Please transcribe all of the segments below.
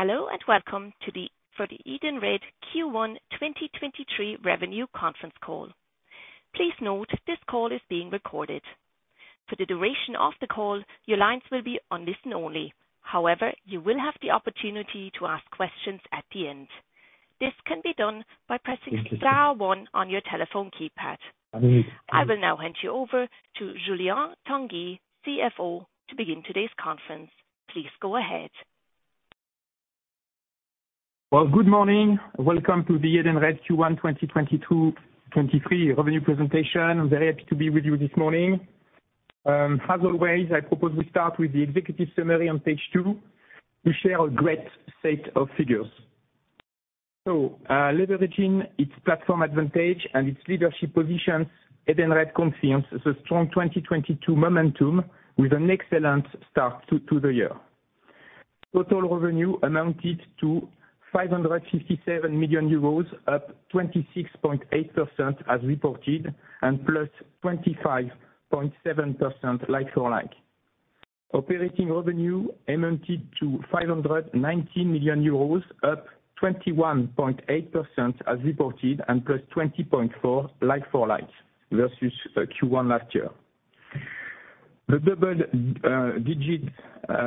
Hello and welcome for the Edenred Q1 2023 revenue conference call. Please note this call is being recorded. For the duration of the call, your lines will be on listen only. However, you will have the opportunity to ask questions at the end. This can be done by pressing star one on your telephone keypad. I will now hand you over to Julien Tanguy, CFO, to begin today's conference. Please go ahead. Well, good morning. Welcome to the Edenred Q1 2022/2023 revenue presentation. I'm very happy to be with you this morning. As always, I propose we start with the executive summary on page 2. We share a great set of figures. Leveraging its platform advantage and its leadership positions, Edenred confirms the strong 2022 momentum with an excellent start to the year. Total revenue amounted to 557 million euros, up 26.8% as reported, and +25.7% like for like. Operating revenue amounted to 590 million euros, up 21.8% as reported, and +20.4% like for likes versus Q1 last year. The double-digit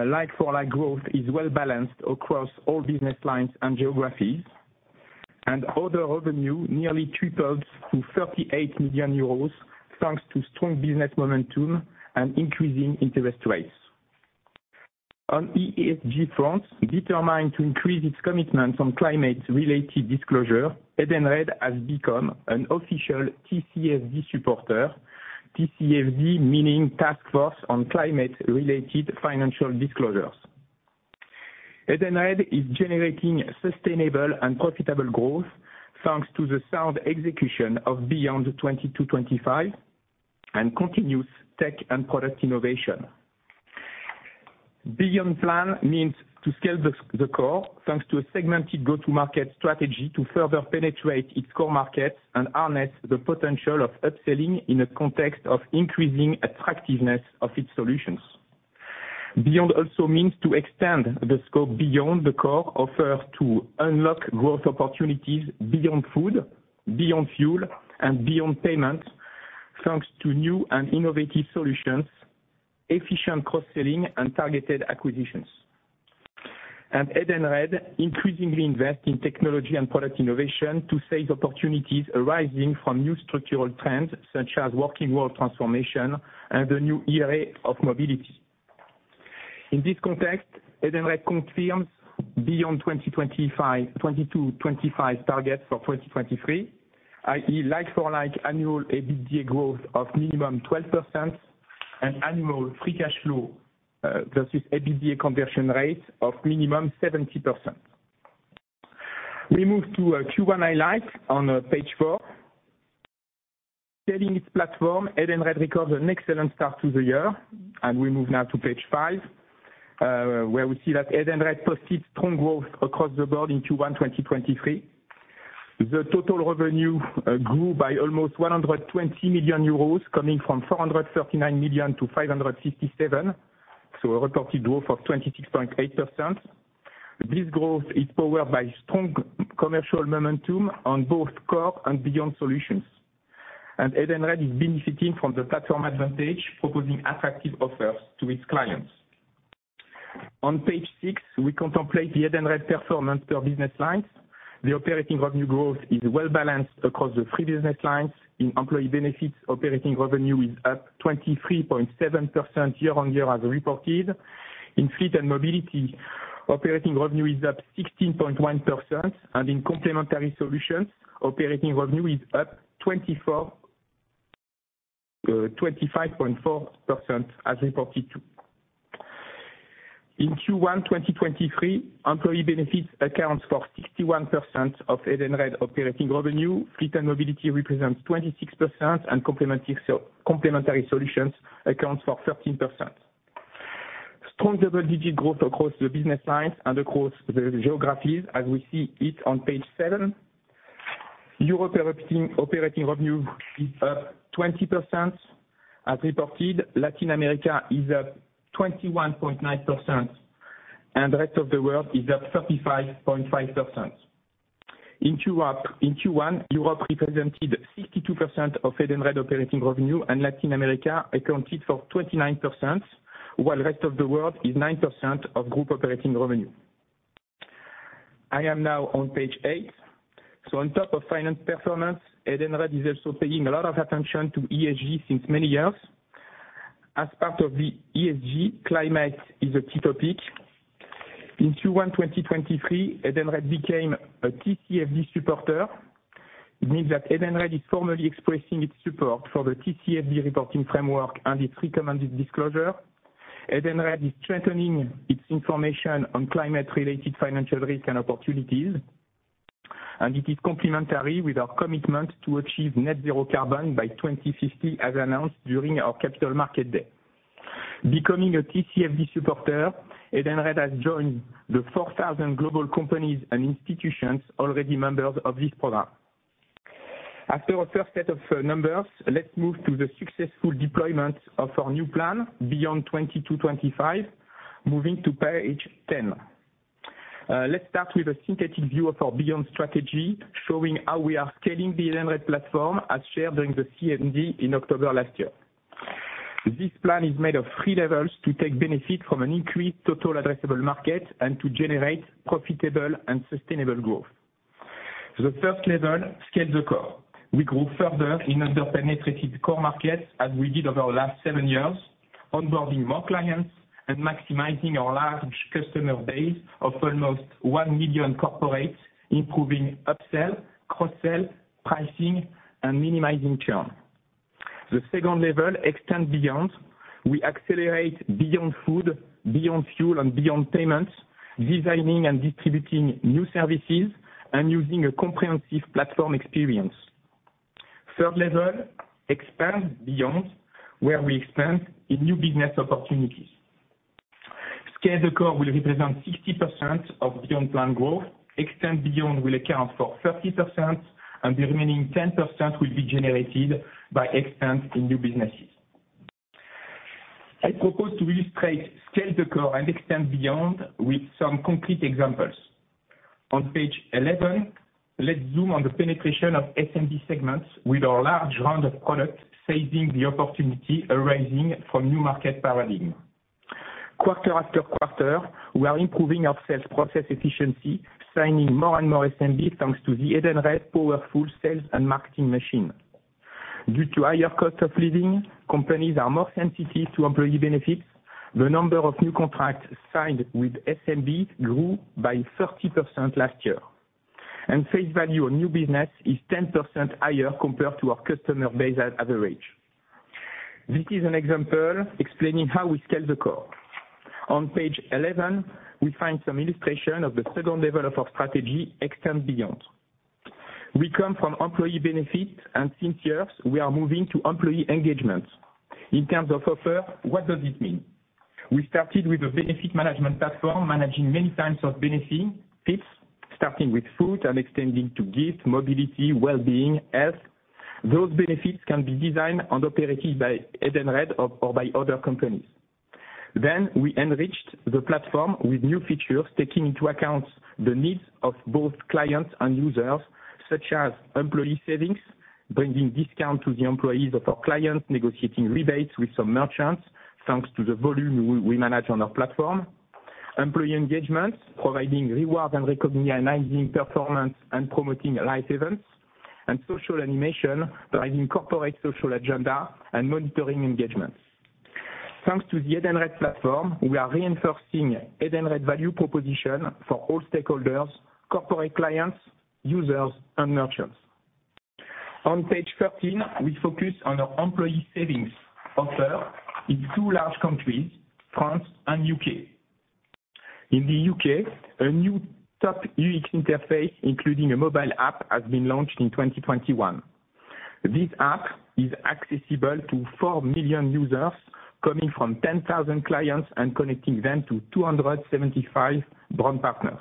like for like growth is well-balanced across all business lines and geographies. Other revenue nearly tripled to 38 million euros, thanks to strong business momentum and increasing interest rates. On ESG front, determined to increase its commitment on climate-related disclosure, Edenred has become an official TCFD supporter. TCFD meaning Task Force on Climate-related Financial Disclosures. Edenred is generating sustainable and profitable growth, thanks to the sound execution of Beyond22-25 and continuous tech and product innovation. Beyond plan means to scale the core, thanks to a segmented go-to-market strategy to further penetrate its core market and harness the potential of upselling in a context of increasing attractiveness of its solutions. Beyond also means to extend the scope Beyond the Core offer to unlock growth opportunities Beyond Food, Beyond Fuel, and Beyond Payments, thanks to new and innovative solutions, efficient cross-selling, and targeted acquisitions. Edenred increasingly invest in technology and product innovation to seize opportunities arising from new structural trends, such as working world transformation and the new era of mobility. In this context, Edenred confirms Beyond22-25 targets for 2023, i.e., like for like annual EBITDA growth of minimum 12% and annual free cash flow versus EBITDA conversion rate of minimum 70%. We move to Q1 highlights on page 4. Selling its platform, Edenred records an excellent start to the year. We move now to page 5, where we see that Edenred posted strong growth across the board in Q1 2023. The total revenue grew by almost 120 million euros, coming from 439 million to 567 million, so a reported growth of 26.8%. This growth is powered by strong commercial momentum on both core and Beyond solutions, and Edenred is benefiting from the platform advantage, proposing attractive offers to its clients. On page 6, we contemplate the Edenred performance per business lines. The operating revenue growth is well-balanced across the 3 business lines. In employee benefits, operating revenue is up 23.7% year-over-year as reported. In fleet and mobility, operating revenue is up 16.1%. In complementary solutions, operating revenue is up 24, 25.4% as reported too. In Q1 2023, employee benefits accounts for 61% of Edenred operating revenue. Fleet and mobility represents 26%, complementary solutions accounts for 13%. Strong double-digit growth across the business lines and across the geographies as we see it on page 7. Europe operating revenue is up 20% as reported. Latin America is up 21.9%. The rest of the world is up 35.5%. In Q1, Europe represented 62% of Edenred operating revenue. Latin America accounted for 29%, while rest of the world is 9% of group operating revenue. I am now on page 8. On top of finance performance, Edenred is also paying a lot of attention to ESG since many years. As part of the ESG, climate is a key topic. In Q1 2023, Edenred became a TCFD supporter. It means that Edenred is formally expressing its support for the TCFD reporting framework and its recommended disclosure. Edenred is strengthening its information on climate-related financial risk and opportunities. It is complementary with our commitment to achieve net zero carbon by 2050 as announced during our Capital Market Day. Becoming a TCFD supporter, Edenred has joined the 4,000 global companies and institutions already members of this program. After our first set of numbers, let's move to the successful deployment of our new plan Beyond22-25, moving to page 10. Let's start with a synthetic view of our Beyond strategy, showing how we are scaling the Edenred platform as shared during the CMD in October last year. This plan is made of 3 levels to take benefit from an increased total addressable market and to generate profitable and sustainable growth. The first level, scale the core. We grow further in under-penetrated core markets as we did over the last 7 years, onboarding more clients and maximizing our large customer base of almost 1 million corporates, improving upsell, cross-sell, pricing, and minimizing churn. The 2nd level, Extend Beyond. We accelerate Beyond Food, Beyond Fuel, and Beyond Payments, designing and distributing new services and using a comprehensive platform experience. 3rd level, Expand Beyond, where we expand in new business opportunities. Scale the Core will represent 60% of Beyond Plan growth. Extend Beyond will account for 30%, and the remaining 10% will be generated by expand in new businesses. I propose to illustrate Scale the Core and Extend Beyond with some concrete examples. On page 11, let's zoom on the penetration of SMB segments with our large round of products, seizing the opportunity arising from new market paradigm. Quarter after quarter, we are improving our sales process efficiency, signing more and more SMBs, thanks to the Edenred powerful sales and marketing machine. Due to higher cost of living, companies are more sensitive to employee benefits. The number of new contracts signed with SMB grew by 30% last year. Face value on new business is 10% higher compared to our customer base at average. This is an example explaining how we Scale the Core. On page 11, we find some illustration of the second level of our strategy, Extend Beyond. We come from employee benefits, and since years, we are moving to employee engagement. In terms of offer, what does it mean? We started with a benefit management platform managing many types of benefits, starting with food and extending to gift, mobility, well-being, health. Those benefits can be designed and operated by Edenred or by other companies. We enriched the platform with new features, taking into account the needs of both clients and users, such as employee savings, bringing discount to the employees of our clients, negotiating rebates with some merchants, thanks to the volume we manage on our platform. Employee engagement, providing reward and recognizing performance and promoting life events. Social animation, driving corporate social agenda and monitoring engagements. Thanks to the Edenred platform, we are reinforcing Edenred value proposition for all stakeholders, corporate clients, users, and merchants. On page 13, we focus on our employee savings offer in two large countries, France and U.K. In the U.K., a new top UX interface, including a mobile app, has been launched in 2021. This app is accessible to 4 million users coming from 10,000 clients and connecting them to 275 brand partners.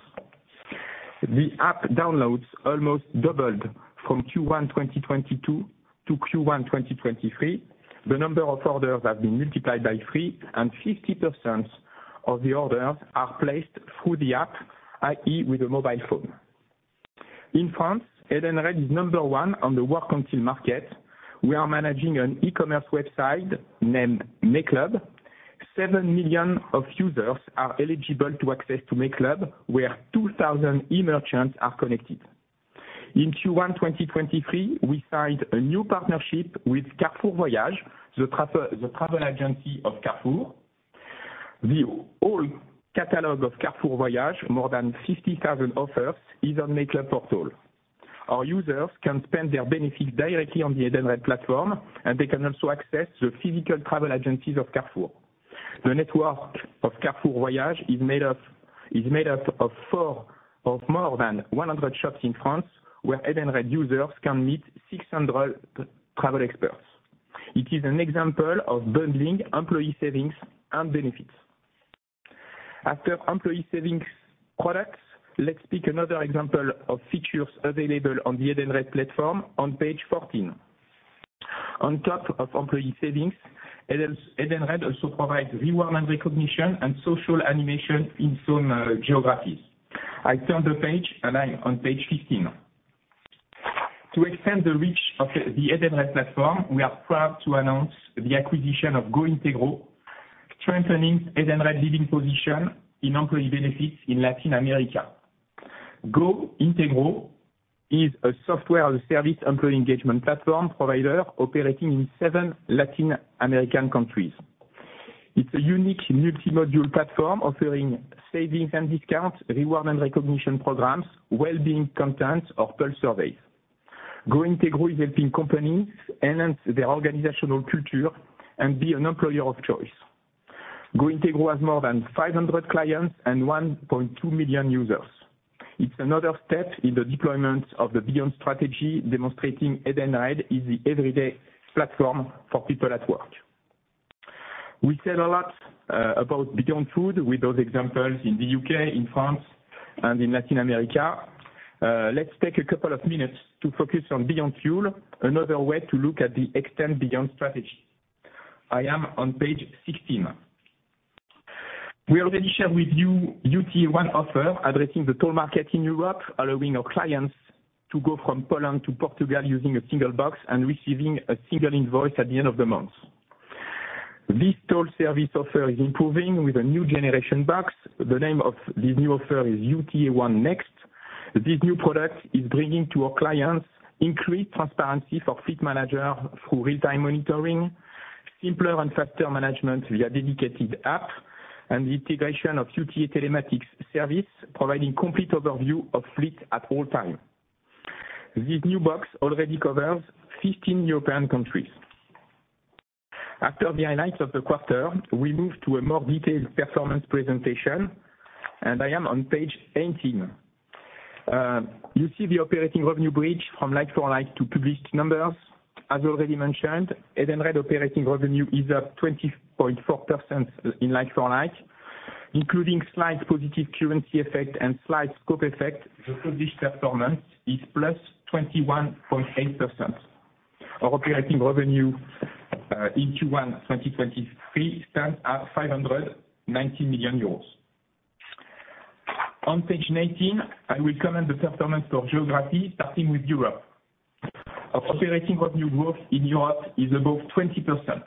The app downloads almost doubled from Q1, 2022 to Q1, 2023. The number of orders have been multiplied by three, and 60% of the orders are placed through the app, i.e. with a mobile phone. In France, Edenred is number one on the work-until market. We are managing an e-commerce website named Meyclub. 7 million of users are eligible to access to Meyclub, where 2,000 e-merchants are connected. In Q1, 2023, we signed a new partnership with Carrefour Voyages, the travel agency of Carrefour. The whole catalog of Carrefour Voyages, more than 50,000 offers, is on Meyclub portal. Our users can spend their benefits directly on the Edenred platform, and they can also access the physical travel agencies of Carrefour. The network of Carrefour Voyages is made up of more than 100 shops in France, where Edenred users can meet 600 travel experts. It is an example of bundling employee savings and benefits. After employee savings products, let's pick another example of features available on the Edenred platform on page 14. On top of employee savings, Edenred also provides reward and recognition and social animation in some geographies. I turn the page, and I'm on page 15. To extend the reach of the Edenred platform, we are proud to announce the acquisition of GOintegro, strengthening Edenred leading position in employee benefits in Latin America. GOintegro is a software-as-a-service employee engagement platform provider operating in seven Latin American countries. It's a unique multi-module platform offering savings and discounts, reward and recognition programs, well-being contents, or pulse surveys. GOintegro is helping companies enhance their organizational culture and be an employer of choice. GOintegro has more than 500 clients and 1.2 million users. It's another step in the deployment of the Beyond strategy, demonstrating Edenred is the everyday platform for people at work. We said a lot about Beyond Food with those examples in the U.K., in France, and in Latin America. Let's take a couple of minutes to focus on Beyond Fuel, another way to look at the Extend Beyond strategy. I am on page 16. We already shared with you UTA One offer, addressing the toll market in Europe, allowing our clients to go from Poland to Portugal using a single box and receiving a single invoice at the end of the month. This toll service offer is improving with a new generation box. The name of this new offer is UTA One next. This new product is bringing to our clients increased transparency for fleet manager through real-time monitoring, simpler and faster management via dedicated app, and the integration of UTA Telematics service, providing complete overview of fleet at all time. This new box already covers 15 European countries. After the highlights of the quarter, we move to a more detailed performance presentation, and I am on page 18. You see the operating revenue bridge from like-for-like to published numbers. As already mentioned, Edenred operating revenue is up 20.4% in like-for-like, including slight positive currency effect and slight scope effect. The published performance is +21.8%. Our operating revenue in Q1 2023 stands at 590 million euros. On page 19, I will comment the performance of geography, starting with Europe. Our operating revenue growth in Europe is above 20%.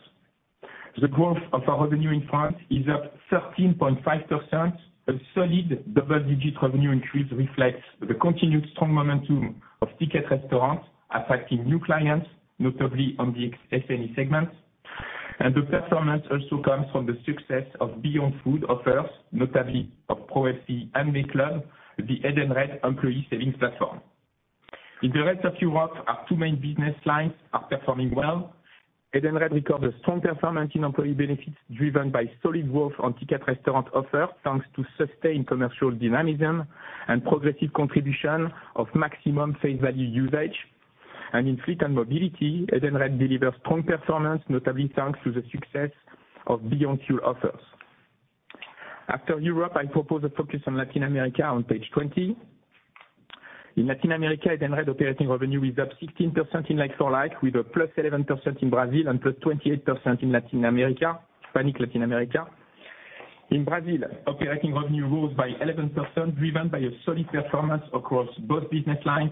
The growth of our revenue in France is up 13.5%. A solid double-digit revenue increase reflects the continued strong momentum of Ticket Restaurant, attracting new clients, notably on the SME segment. The performance also comes from the success of Beyond Food offers, notably of ProwebCE and Meyclub, the Edenred employee savings platform. In the rest of Europe, our two main business lines are performing well. Edenred records strong performance in employee benefits driven by solid growth on Ticket Restaurant offers, thanks to sustained commercial dynamism and progressive contribution of maximum face value usage. In fleet and mobility, Edenred delivers strong performance, notably thanks to the success of Beyond Fuel offers. After Europe, I propose a focus on Latin America on page 20. In Latin America, Edenred operating revenue is up 16% in like-for-like, with a +11% in Brazil and +28% in Latin America, Hispanic Latin America. In Brazil, operating revenue grows by 11% driven by a solid performance across both business lines.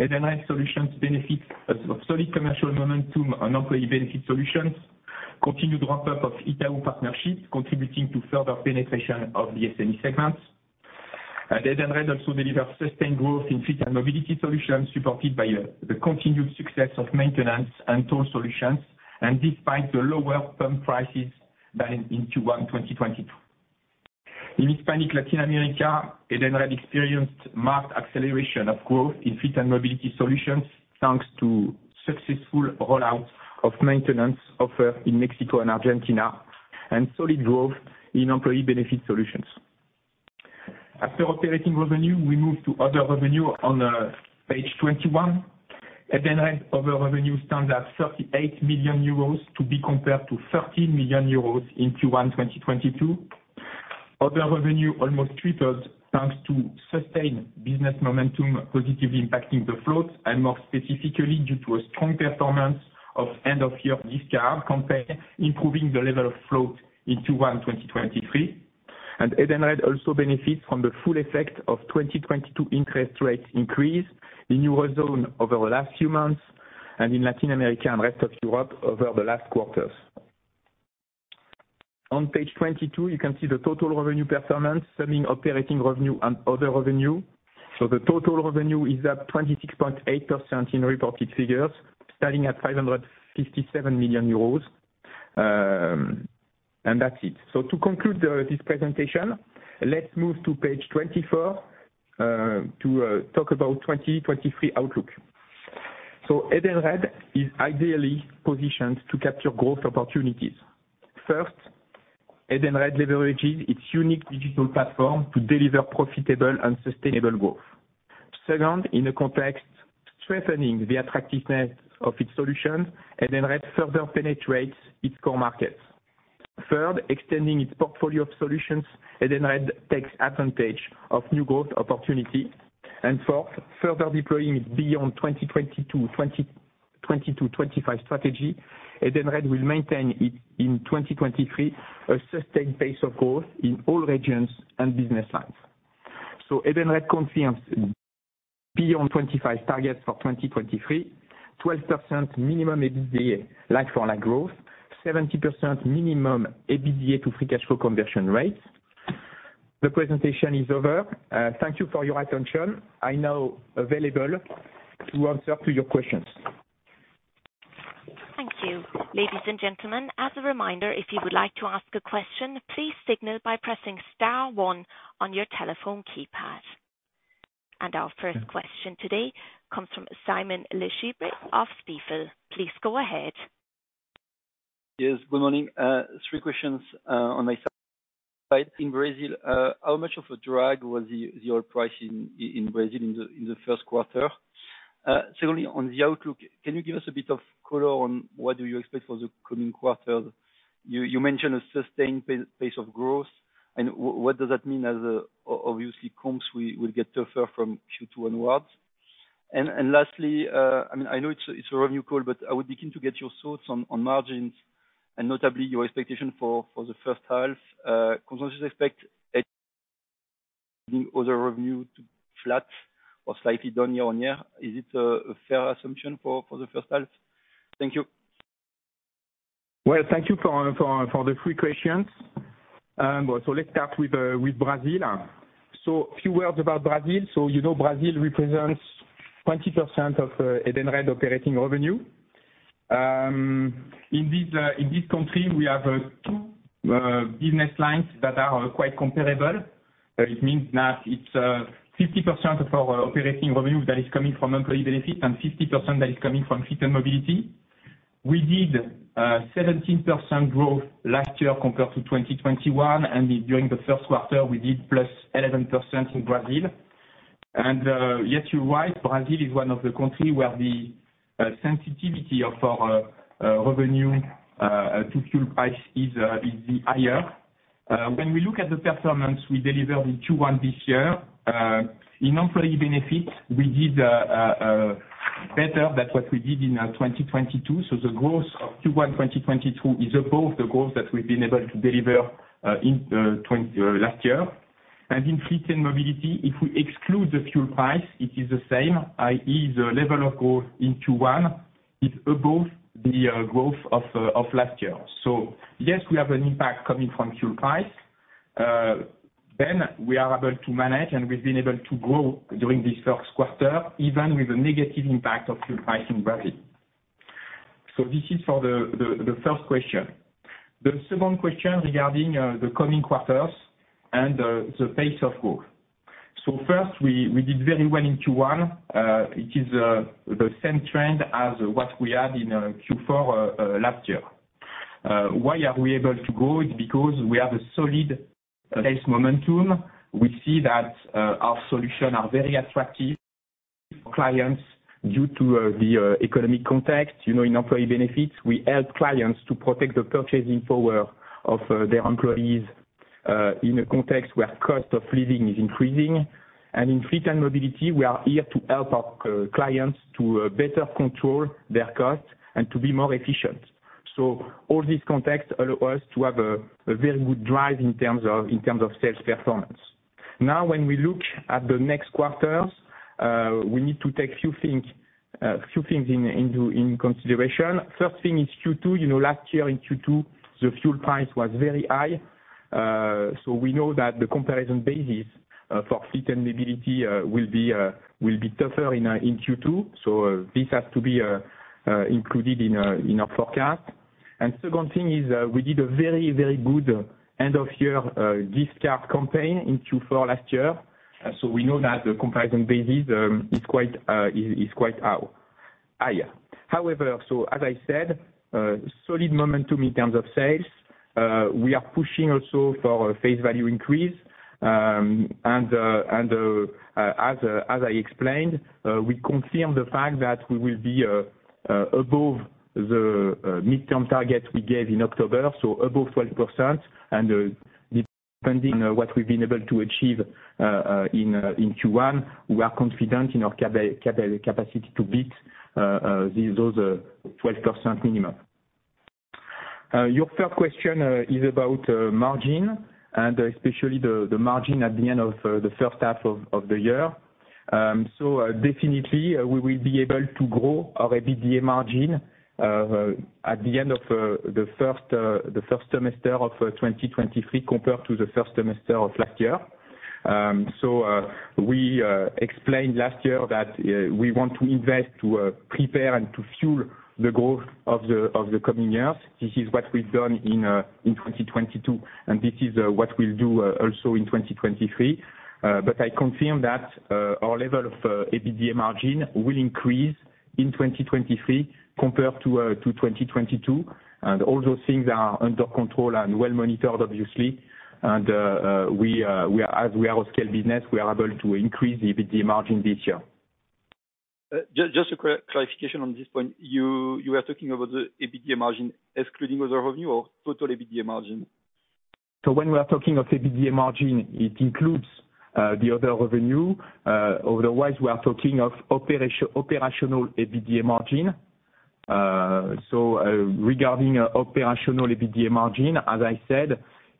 Edenred solutions benefits a solid commercial momentum on employee benefit solutions, continued ramp-up of Itaú partnership, contributing to further penetration of the SME segments. Edenred also delivers sustained growth in fleet and mobility solutions, supported by the continued success of maintenance and toll solutions, and despite the lower pump prices than in Q1 2022. In Hispanic Latin America, Edenred experienced marked acceleration of growth in fleet and mobility solutions, thanks to successful roll-out of maintenance offer in Mexico and Argentina and solid growth in employee benefit solutions. After operating revenue, we move to other revenue on page 21. Edenred other revenue stands at 38 million euros to be compared to 30 million euros in Q1 2022. Other revenue almost tripled thanks to sustained business momentum positively impacting the growth, and more specifically, due to a strong performance of end-of-year discount campaign, improving the level of growth in Q1 2023. Edenred also benefits from the full effect of 2022 interest rates increase in Eurozone over the last few months and in Latin America and rest of Europe over the last quarters. On page 22, you can see the total revenue performance summing operating revenue and other revenue. The total revenue is up 26.8% in reported figures, standing at 557 million euros. That's it. To conclude this presentation, let's move to page 24 to talk about 2023 outlook. Edenred is ideally positioned to capture growth opportunities. First, Edenred leverages its unique digital platform to deliver profitable and sustainable growth. Second, in a context strengthening the attractiveness of its solutions, Edenred further penetrates its core markets. Third, extending its portfolio of solutions, Edenred takes advantage of new growth opportunity. Fourth, further deploying its Beyond22-25 strategy, Edenred will maintain it in 2023, a sustained pace of growth in all regions and business lines. Edenred confirms Beyond 25 targets for 2023, 12% minimum EBITDA like-for-like growth, 70% minimum EBITDA to free cash flow conversion rates. The presentation is over. Thank you for your attention. I'm now available to answer to your questions. Thank you. Ladies and gentlemen, as a reminder, if you would like to ask a question, please signal by pressing star one on your telephone keypad. Our first question today comes from Simon Lechipre of Stifel. Please go ahead. Yes, good morning. Three questions on my side. In Brazil, how much of a drag was the oil price in Brazil in the first quarter? Secondly, on the outlook, can you give us a bit of color on what do you expect for the coming quarter? You mentioned a sustained pace of growth, what does that mean as obviously comps will get tougher from Q2 onwards. Lastly, I mean, I know it's a revenue call, but I would be keen to get your thoughts on margins and notably your expectation for the first half. Consensus expect Edenred revenue to flat or slightly down year-on-year. Is it a fair assumption for the first half? Thank you. Well, thank you for the three questions. Let's start with Brazil. You know Brazil represents 20% of Edenred operating revenue. In this country, we have two business lines that are quite comparable. That it means that it's 50% of our operating revenue that is coming from employee benefits and 50% that is coming from fleet and mobility. We did 17% growth last year compared to 2021, and during the 1st quarter, we did +11% in Brazil. Yes, you're right, Brazil is one of the country where the sensitivity of our revenue to fuel price is higher. When we look at the performance we delivered in Q1 this year, in employee benefits, we did better than what we did in 2022. The growth of Q1 2022 is above the growth that we've been able to deliver last year. In fleet and mobility, if we exclude the fuel price, it is the same, i.e., the level of growth in Q1 is above the growth of last year. Yes, we have an impact coming from fuel price. We are able to manage, and we've been able to grow during this first quarter, even with the negative impact of fuel price in Brazil. This is for the first question. The second question regarding the coming quarters and the pace of growth. First, we did very well in Q1. It is the same trend as what we had in Q4 last year. Why are we able to grow? It's because we have a solid base momentum. We see that our solutions are very attractive for clients due to the economic context. You know, in employee benefits, we help clients to protect the purchasing power of their employees in a context where cost of living is increasing. In fleet and mobility, we are here to help our clients to better control their costs and to be more efficient. All these contexts allow us to have a very good drive in terms of sales performance. When we look at the next quarters, we need to take few things in, into, in consideration. First thing is Q2. You know, last year in Q2, the fuel price was very high. We know that the comparison basis for fleet and mobility will be tougher in Q2. This has to be included in our forecast. Second thing is, we did a very, very good end of year discount campaign in Q4 last year. We know that the comparison basis is quite low-- higher. However, as I said, solid momentum in terms of sales. We are pushing also for a face value increase. As I explained, we confirm the fact that we will be above the midterm target we gave in October, so above 12%. Depending on what we've been able to achieve in Q1, we are confident in our capacity to beat those 12% minimum. Your third question is about margin and especially the margin at the end of the first half of the year. Definitely, we will be able to grow our EBITDA margin at the end of the first semester of 2023 compared to the first semester of last year. We explained last year that we want to invest to prepare and to fuel the growth of the coming years. This is what we've done in 2022, and this is what we'll do also in 2023. I confirm that our level of EBITDA margin will increase in 2023 compared to 2022. All those things are under control and well-monitored, obviously. As we are a scale business, we are able to increase the EBITDA margin this year. Just a clarification on this point. You are talking about the EBITDA margin excluding other revenue or total EBITDA margin? When we are talking of EBITDA margin, it includes the other revenue. Otherwise, we are talking of operational EBITDA margin. Regarding operational EBITDA margin, as I said,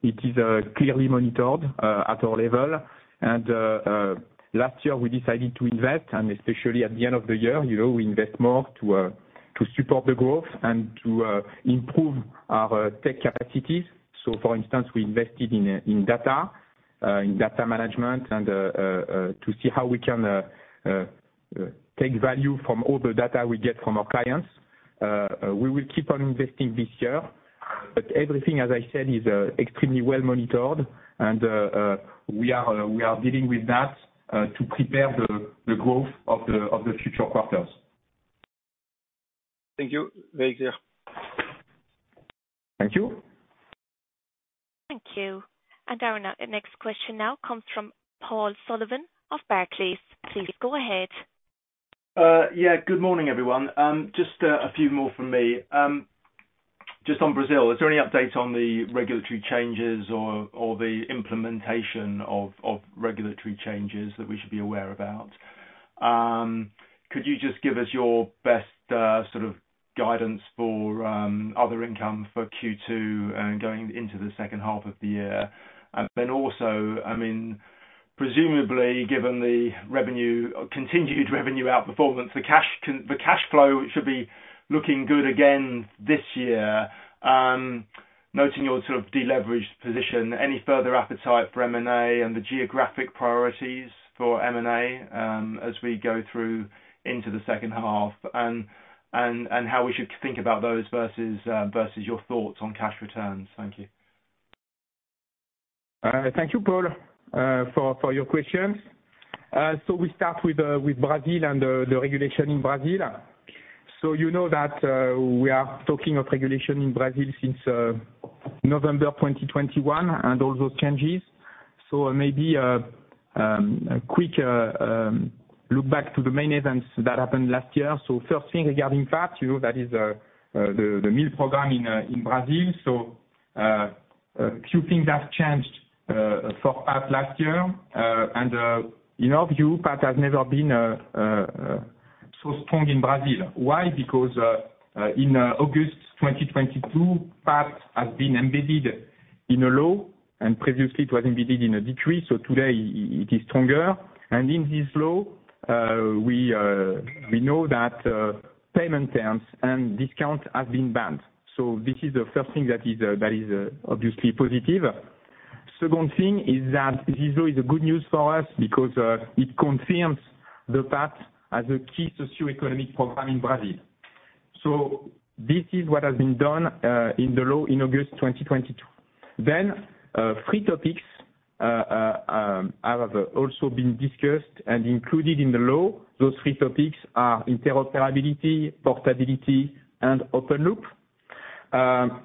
it is clearly monitored at our level. Last year we decided to invest, and especially at the end of the year, you know, we invest more to support the growth and to improve our tech capacities. For instance, we invested in data management and to see how we can take value from all the data we get from our clients. We will keep on investing this year, but everything, as I said, is extremely well-monitored. We are dealing with that to prepare the growth of the future quarters. Thank you. Very clear. Thank you. Thank you. Our next question now comes from Paul Sullivan of Barclays. Please go ahead. Yeah. Good morning, everyone. Just a few more from me. Just on Brazil, is there any update on the regulatory changes or the implementation of regulatory changes that we should be aware about? Could you just give us your best sort of guidance for other income for Q2 and going into the second half of the year? Also, I mean, presumably given the revenue, continued revenue outperformance, the cash flow should be looking good again this year, noting your sort of deleveraged position, any further appetite for M&A and the geographic priorities for M&A, as we go through into the second half and how we should think about those versus your thoughts on cash returns. Thank you. Thank you, Paul, for your questions. We start with Brazil and the regulation in Brazil. You know that we are talking of regulation in Brazil since November 2021 and all those changes. Maybe a quick look back to the main events that happened last year. First thing regarding PAT, you know, that is the meal program in Brazil. A few things have changed for PAT last year. In our view, PAT has never been so strong in Brazil. Why? Because in August 2022, PAT has been embedded in a law, and previously it was embedded in a decree. Today it is stronger. In this law, we know that payment terms and discounts have been banned. This is the first thing that is obviously positive. Second thing is that this law is good news for us because it confirms the PAT as a key socioeconomic program in Brazil. This is what has been done in the law in August 2022. Three topics have also been discussed and included in the law. Those three topics are interoperability, portability, and open loop.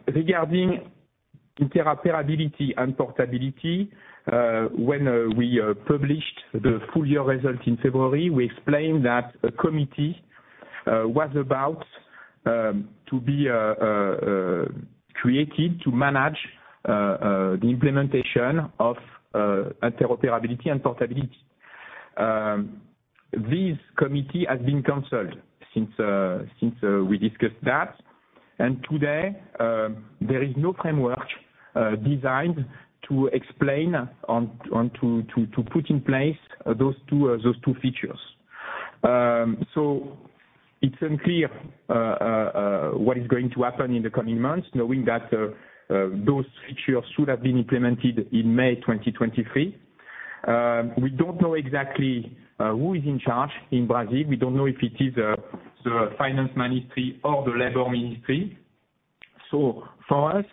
Regarding interoperability and portability, when we published the full year results in February, we explained that a committee was about to be created to manage the implementation of interoperability and portability. This committee has been canceled since we discussed that. Today, there is no framework designed to explain on to put in place those two features. It's unclear what is going to happen in the coming months, knowing that those features should have been implemented in May 2023. We don't know exactly who is in charge in Brazil. We don't know if it is the finance ministry or the labor ministry. For us,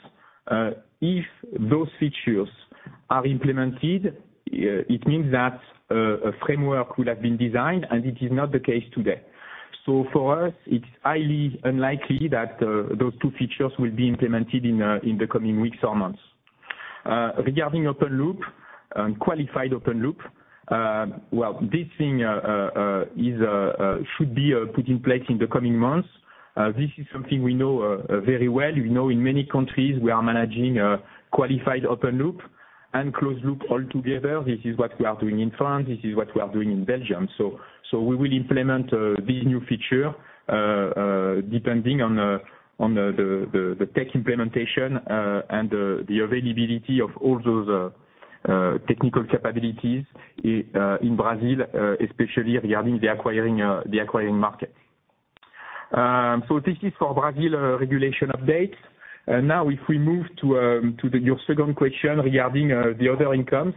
if those features are implemented, it means that a framework will have been designed, and it is not the case today. For us, it's highly unlikely that those two features will be implemented in the coming weeks or months. Regarding open loop, qualified open loop, well, this thing should be put in place in the coming months. This is something we know very well. We know in many countries we are managing a qualified open loop and closed loop all together. This is what we are doing in France. This is what we are doing in Belgium. We will implement this new feature depending on on the the the the tech implementation and the the availability of all those technical capabilities in Brazil especially regarding the acquiring the acquiring market. This is for Brazil regulation updates. If we move to your second question regarding the other incomes,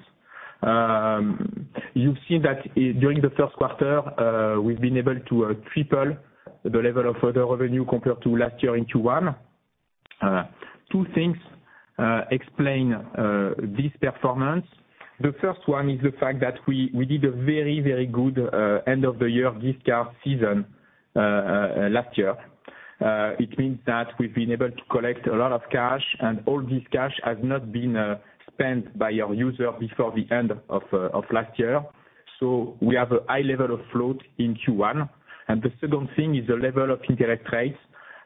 you've seen that during the 1st quarter, we've been able to triple the level of other revenue compared to last year in Q1. Two things explain this performance. The first one is the fact that we did a very, very good end of the year gift card season last year. It means that we've been able to collect a lot of cash, all this cash has not been spent by our user before the end of last year. We have a high level of float in Q1. The second thing is the level of interest rates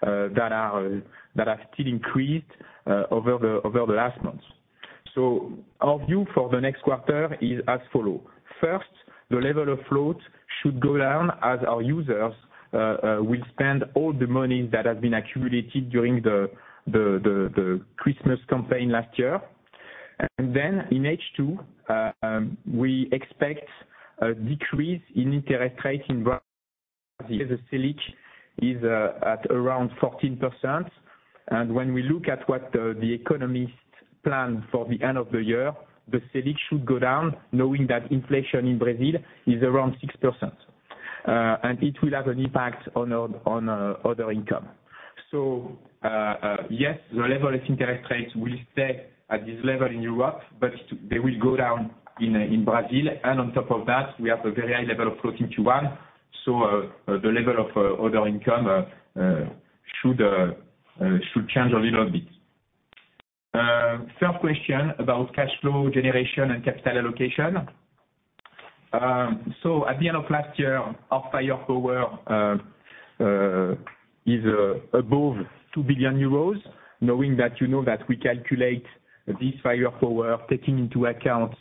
that are still increased over the last months. Our view for the next quarter is as follow. First, the level of float should go down as our users will spend all the money that has been accumulated during the Christmas campaign last year. In H2, we expect a decrease in interest rates in Brazil. The Selic is at around 14%. When we look at what the economists plan for the end of the year, the Selic should go down knowing that inflation in Brazil is around 6%. It will have an impact on other income. Yes, the level of interest rates will stay at this level in Europe, but they will go down in Brazil. On top of that, we have a very high level of protein to one. The level of other income should change a little bit. Third question about cash flow generation and capital allocation. At the end of last year, our fire power is above 2 billion euros, knowing that you know that we calculate this fire power taking into account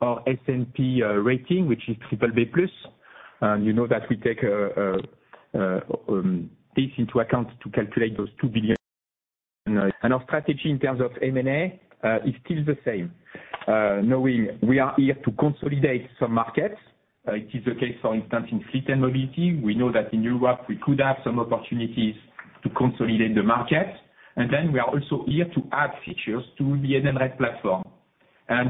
our S&P rating, which is BBB+. You know that we take this into account to calculate those 2 billion. Our strategy in terms of M&A is still the same, knowing we are here to consolidate some markets. It is the case, for instance, in fleet and mobility. We know that in Europe we could have some opportunities to consolidate the market. We are also here to add features to the M&S platform.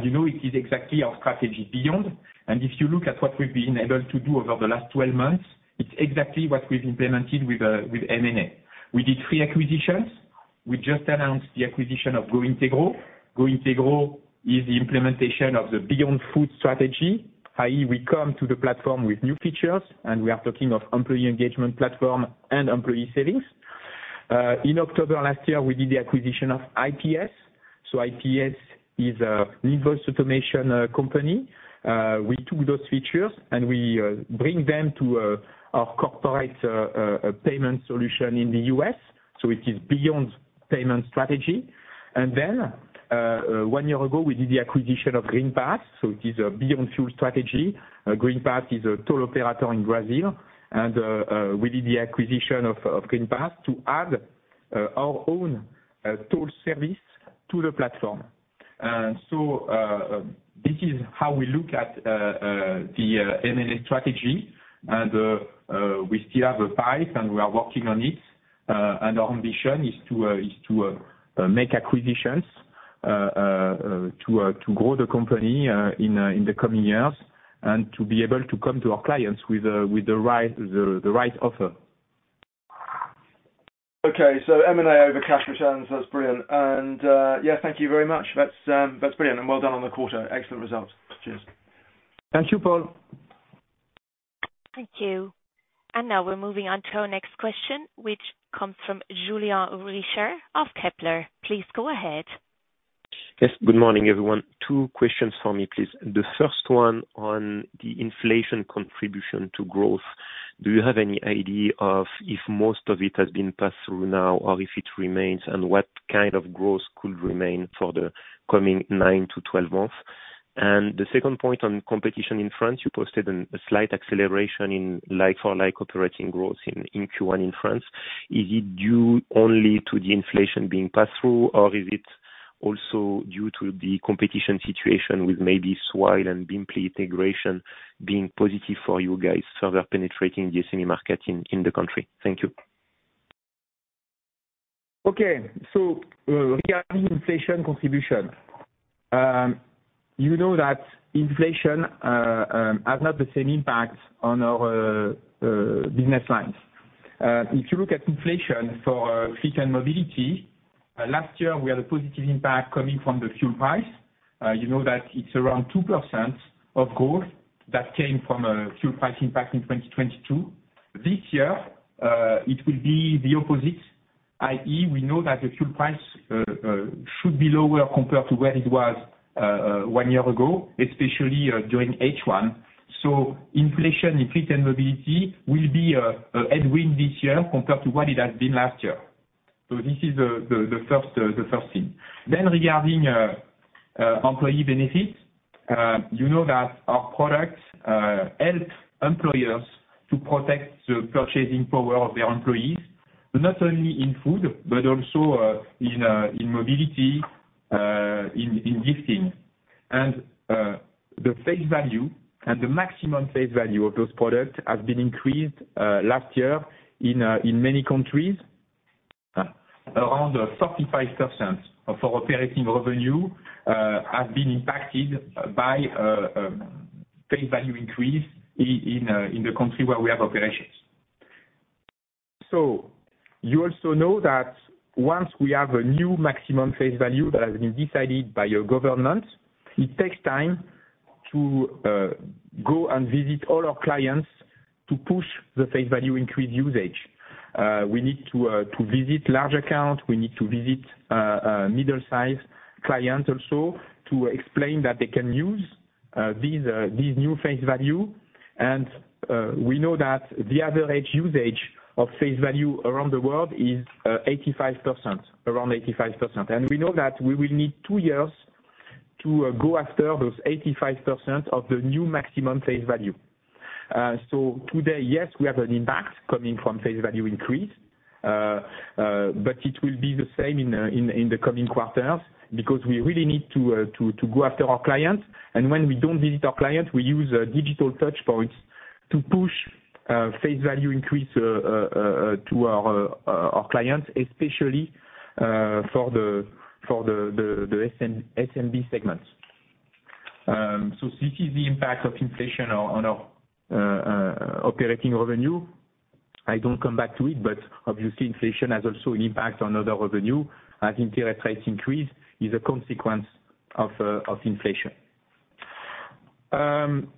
You know, it is exactly our strategy Beyond. If you look at what we've been able to do over the last 12 months, it's exactly what we've implemented with M&A. We did 3 acquisitions. We just announced the acquisition of GOintegro. GOintegro is the implementation of the Beyond Food strategy, i.e., we come to the platform with new features, and we are talking of employee engagement platform and employee savings. In October last year, we did the acquisition of IPS. IPS is a invoice automation company. We took those features, and we bring them to our corporate payment solution in the U.S. It is Beyond Payment strategy. One year ago, we did the acquisition of Greenpass. It is a Beyond Fuel strategy. Greenpass is a toll operator in Brazil. We did the acquisition of Greenpass to add our own toll service to the platform. This is how we look at the M&A strategy. We still have a pipe, and we are working on it. Our ambition is to make acquisitions to grow the company in the coming years, and to be able to come to our clients with the right offer. Okay. M&A over cash returns. That's brilliant. Yeah, thank you very much. That's, that's brilliant. Well done on the quarter. Excellent results. Cheers. Thank you, Paul. Thank you. Now we're moving on to our next question, which comes from Julien Richer of Kepler. Please go ahead. Good morning, everyone. Two questions for me, please. The first one on the inflation contribution to growth. Do you have any idea of if most of it has been passed through now or if it remains? What kind of growth could remain for the coming 9-12 months? The second point on competition in France, you posted a slight acceleration in like-for-like operating growth in Q1 in France. Is it due only to the inflation being passed through, or is it also due to the competition situation with maybe Swile and Bimpli integration being positive for you guys further penetrating the SME market in the country? Thank you. Okay. Regarding inflation contribution, you know that inflation has had the same impact on our business lines. If you look at inflation for fleet and mobility, last year, we had a positive impact coming from the fuel price. You know that it's around 2% of growth that came from a fuel price impact in 2022. This year, it will be the opposite, i.e., we know that the fuel price should be lower compared to where it was one year ago, especially during H1. Inflation in fleet and mobility will be a headwind this year compared to what it has been last year. This is the first thing. Regarding employee benefits, you know that our products help employers to protect the purchasing power of their employees, not only in food but also in mobility, in gifting. The face value and the maximum face value of those products has been increased last year in many countries. Around 45% of our operating revenue has been impacted by face value increase in the country where we have operations. You also know that once we have a new maximum face value that has been decided by your government, it takes time to go and visit all our clients to push the face value increase usage. We need to visit large account. We need to visit middle-sized clients also to explain that they can use these new face value. We know that the average usage of face value around the world is 85%, around 85%. We know that we will need two years to go after those 85% of the new maximum face value. Today, yes, we have an impact coming from face value increase. It will be the same in the coming quarters because we really need to go after our clients. When we don't visit our clients, we use digital touchpoints to push face value increase to our clients, especially for the SMB segments. This is the impact of inflation on our operating revenue. I don't come back to it, but obviously inflation has also an impact on other revenue as interest rates increase is a consequence of inflation.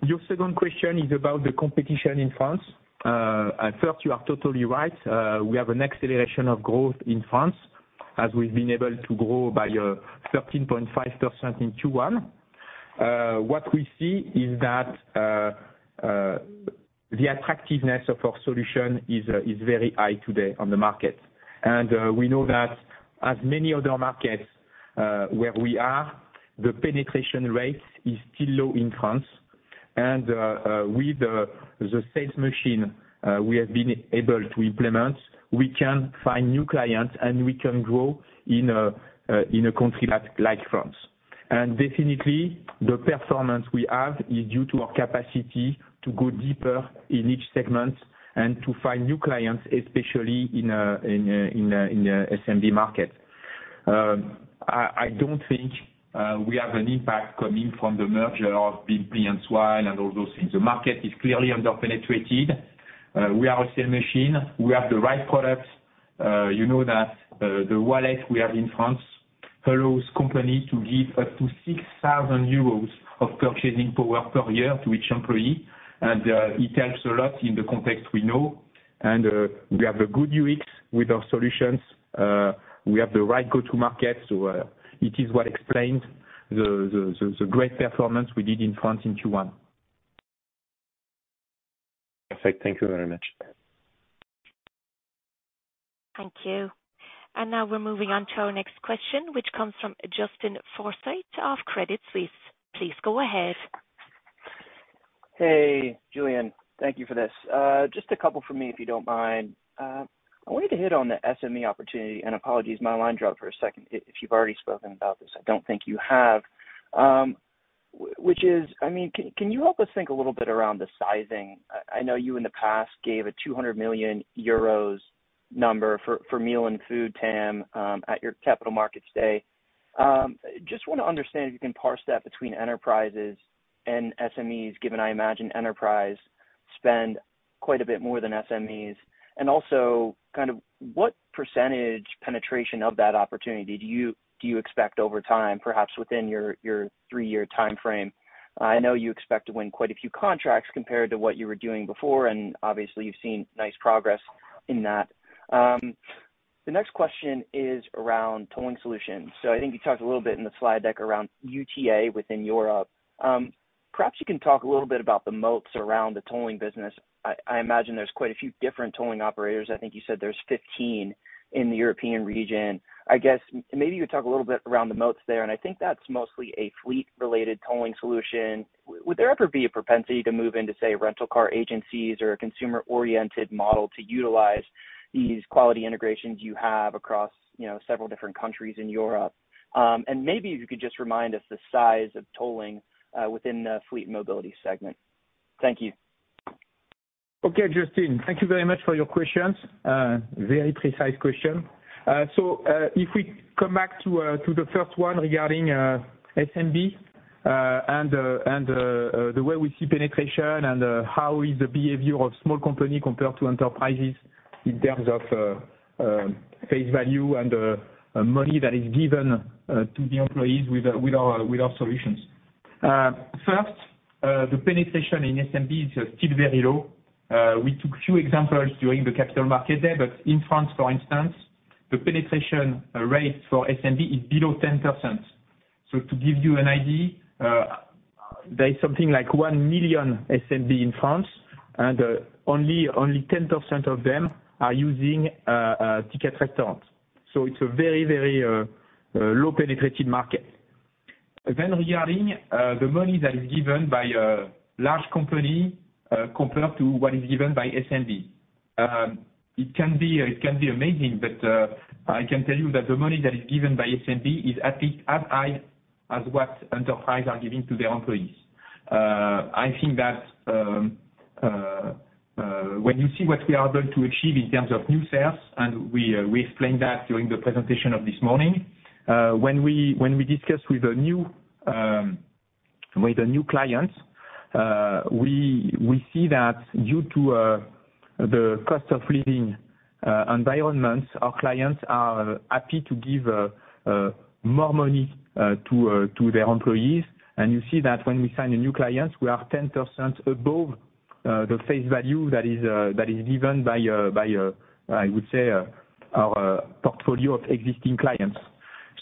Your second question is about the competition in France. At first, you are totally right. We have an acceleration of growth in France as we've been able to grow by 13.5% in Q1. What we see is that the attractiveness of our solution is very high today on the market. We know that as many other markets where we are, the penetration rate is still low in France. With the sales machine we have been able to implement, we can find new clients, and we can grow in a country like France. Definitely, the performance we have is due to our capacity to go deeper in each segment and to find new clients, especially in the SMB market. I don't think we have an impact coming from the merger of Bimpli and Swile and all those things. The market is clearly under-penetrated. We are a sales machine. We have the right products. You know that the wallet we have in France allows company to give up to 6,000 euros of purchasing power per year to each employee, it helps a lot in the context we know. We have a good UX with our solutions. We have the right go-to market, it is what explains the great performance we did in France in Q1. Okay. Thank you very much. Thank you. Now we're moving on to our next question, which comes from Justin Forsythe of Credit Suisse. Please go ahead. Hey, Julien. Thank you for this. Just a couple from me, if you don't mind. I want you to hit on the SME opportunity. Apologies, my line dropped for a second, if you've already spoken about this. I don't think you have. I mean, can you help us think a little bit around the sizing? I know you in the past gave a 200 million euros number for meal and food TAM, at your Capital Markets Day. Just wanna understand if you can parse that between enterprises and SMEs, given I imagine enterprise spend quite a bit more than SMEs. Also kind of what percentage penetration of that opportunity do you expect over time, perhaps within your three-year timeframe? I know you expect to win quite a few contracts compared to what you were doing before, and obviously you've seen nice progress in that. The next question is around tolling solutions. I think you talked a little bit in the slide deck around UTA within Europe. Perhaps you can talk a little bit about the moats around the tolling business. I imagine there's quite a few different tolling operators. I think you said there's 15 in the European region. I guess maybe you could talk a little bit around the moats there, and I think that's mostly a fleet-related tolling solution. Would there ever be a propensity to move into, say, rental car agencies or a consumer-oriented model to utilize these quality integrations you have across, you know, several different countries in Europe? Maybe if you could just remind us the size of tolling, within the fleet and mobility segment. Thank you. Okay, Justin. Thank you very much for your questions. Very precise question. If we come back to the first one regarding SMB, and the way we see penetration and how is the behavior of small company compared to enterprises in terms of face value and money that is given to the employees with our solutions. First, the penetration in SMB is still very low. We took few examples during the capital market day, but in France, for instance, the penetration rate for SMB is below 10%. To give you an idea, there is something like 1 million SMB in France, and only 10% of them are using Ticket Restaurant. It's a very, very low penetrated market. Regarding the money that is given by a large company, compared to what is given by SMB, it can be amazing, but I can tell you that the money that is given by SMB is at least as high as what enterprise are giving to their employees. I think that when you see what we are going to achieve in terms of new sales, and we explained that during the presentation of this morning. When we discuss with a new client, we see that due to the cost of living environments, our clients are happy to give more money to their employees. You see that when we sign a new client, we are 10% above the face value that is given by, I would say, our portfolio of existing clients.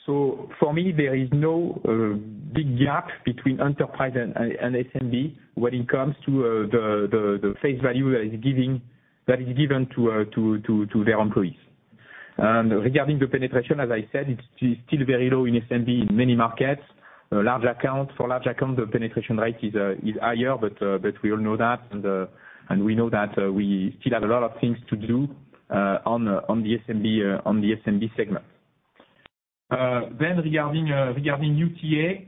For me, there is no big gap between enterprise and SMB when it comes to the face value that is given to their employees. Regarding the penetration, as I said, it's still very low in SMB in many markets. For large account, the penetration rate is higher, but we all know that and we know that we still have a lot of things to do on the SMB segment. Regarding regarding UTA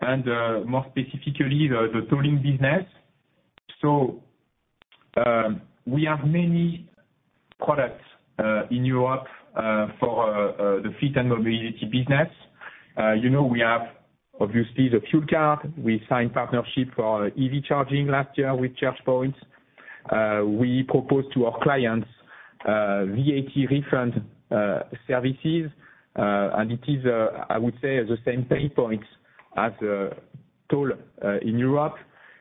and more specifically the tolling business, we have many products in Europe for the fleet and mobility business. You know, we have obviously the fuel card. We signed partnership for EV charging last year with ChargePoint. We propose to our clients VAT refund services, and it is, I would say, the same pay points as a toll in Europe.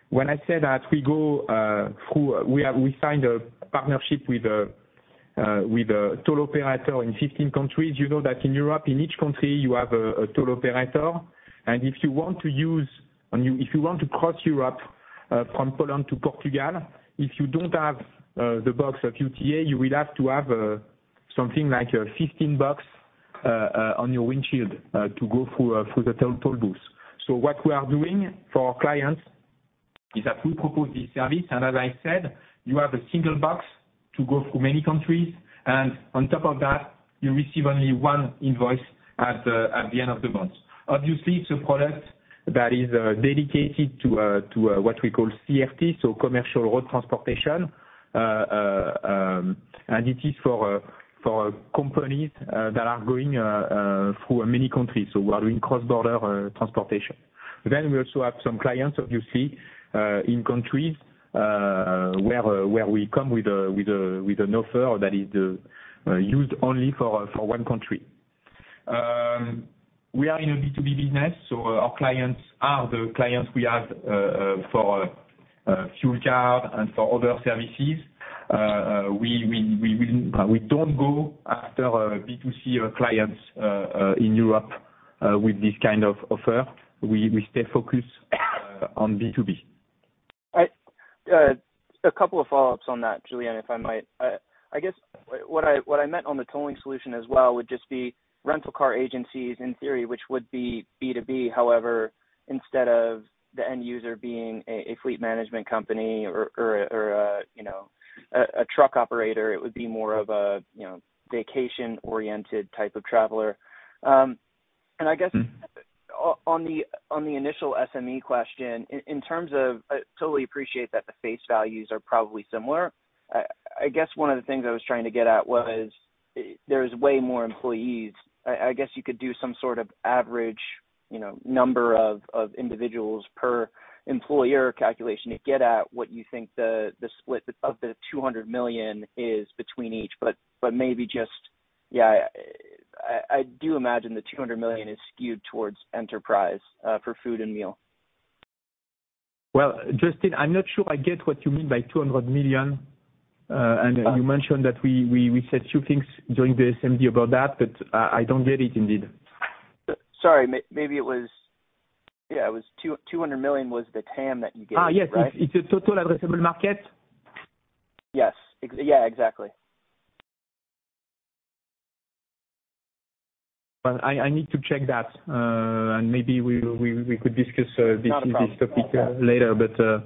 When I say that we go, we signed a partnership with a toll operator in 15 countries. You know that in Europe, in each country you have a toll operator. If you want to use, if you want to cross Europe, from Poland to Portugal, if you don't have the box of UTA, you will have to have something like 15 box on your windshield to go through the toll booths. What we are doing for our clients is that we propose this service, and as I said, you have a single box to go through many countries. On top of that, you receive only one invoice at the end of the month. Obviously, it's a product that is dedicated to what we call CRT, so Commercial Road Transportation. It is for companies that are going through many countries, so who are doing cross-border transportation. We also have some clients, obviously, in countries where we come with a, with an offer that is used only for one country. We are in a B2B business, so our clients are the clients we have for fuel card and for other services. We will, we don't go after our B2C clients in Europe with this kind of offer. We stay focused on B2B. A couple of follow-ups on that, Julien, if I might. I guess what I, what I meant on the tolling solution as well would just be rental car agencies in theory, which would be B2B. However, instead of the end user being a fleet management company or, you know, a truck operator, it would be more of a, you know, vacation-oriented type of traveler. Mm-hmm. On the initial SME question in terms of. I totally appreciate that the face values are probably similar. I guess one of the things I was trying to get at was there's way more employees. I guess you could do some sort of average, you know, number of individuals per employer calculation to get at what you think the split of the 200 million is between each. Maybe just. I do imagine the 200 million is skewed towards enterprise for food and meal. Well, Justin, I'm not sure I get what you mean by 200 million. You mentioned that we said two things during the CMD about that, but I don't get it indeed. Sorry, maybe it was. Yeah, it was 200 million was the TAM that you gave me, right? Yes. It's a total addressable market? Yes. Yeah, exactly. I need to check that, and maybe we could discuss. Not a problem. This topic later.